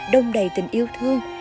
đông đầy tình yêu thương